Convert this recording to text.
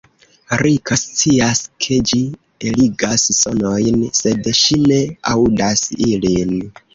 Rika scias, ke ĝi eligas sonojn, sed ŝi ne aŭdas ilin.